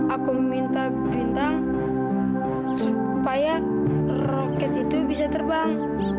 aku meminta bintang supaya roket itu bisa terbang